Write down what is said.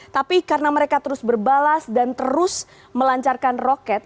tapi karena mereka terus berbalas dan terus melancarkan roket